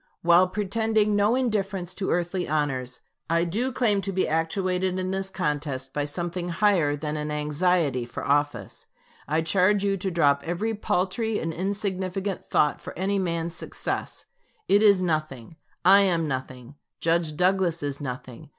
While pretending no indifference to earthly honors, I do claim to be actuated in this contest by something higher than an anxiety for office. I charge you to drop every paltry and insignificant thought for any man's success. It is nothing; I am nothing; Judge Douglas is nothing.